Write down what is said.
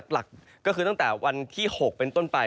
หลักก็คือตั้งแต่วันที่๖เป็นต้นไป